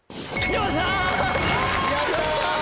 よっしゃ！